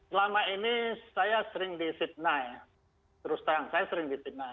selama ini saya sering disitnai terus saya sering disitnai